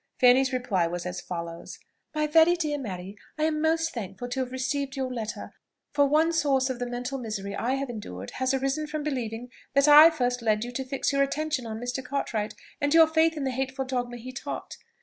Fanny's reply was as follows: "My very dear Mary, "I am most thankful to have received your letter; for one source of the mental misery I have endured has arisen from believing that I first led you to fix your attention on Mr. Cartwright, and your faith on the hateful dogmas he taught.